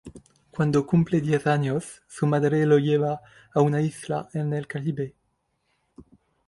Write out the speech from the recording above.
Cuando cumple diez años, su madre lo lleva a una isla en el Caribe.